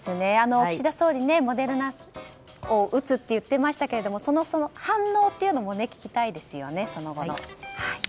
岸田総理、モデルナを打つと言っていましたけどそもそも反応というのも聞きたいですよね、その後の。